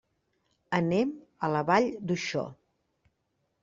Anem a la Vall d'Uixó.